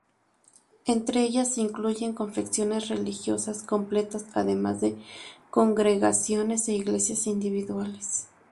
Entre ellas se incluyen confesiones religiosas completas, además de congregaciones e iglesias individuales.